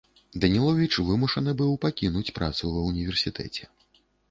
Даніловіч вымушаны быў пакінуць працу ва універсітэце.